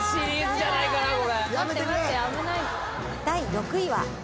第６位は。